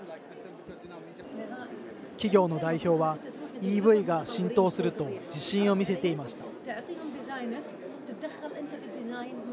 企業の代表はＥＶが浸透すると自信を見せていました。